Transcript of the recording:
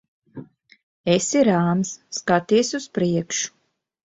Esi rāms. Skaties uz priekšu.